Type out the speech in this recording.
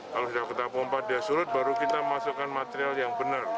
kalau sudah kita pompa dia surut baru kita masukkan material yang benar